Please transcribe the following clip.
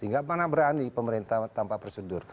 tidak pernah berani pemerintah tanpa prosedur